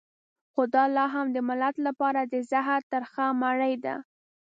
خو دا لا هم د ملت لپاره د زهر ترخه مړۍ ده.